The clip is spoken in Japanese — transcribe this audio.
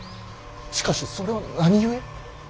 しかしそれは何故。